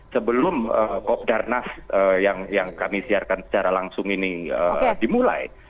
sebelum kopdarnas yang kami siarkan secara langsung ini dimulai